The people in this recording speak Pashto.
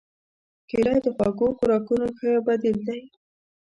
کېله د خوږو خوراکونو ښه بدیل دی.